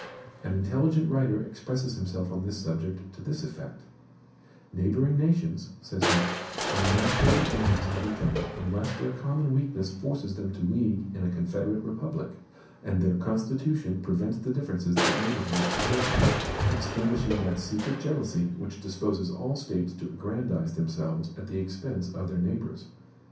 An intelligent writer expresses himself on this subject to this effect: "NEIGHBORING NATIONS (says he) are naturally enemies of each other unless their common weakness forces them to league in a CONFEDERATE REPUBLIC, and their constitution prevents the differences that neighborhood occasions, extinguishing that secret jealousy which disposes all states to aggrandize themselves at the expense of their neighbors."